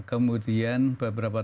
kemudian beberapa tahun